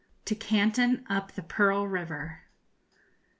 TO CANTON UP THE PEARL RIVER.